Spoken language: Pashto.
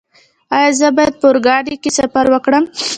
ایا زه باید په اورګاډي کې سفر وکړم؟